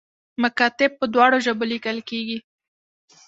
مکاتیب په دواړو ژبو لیکل کیږي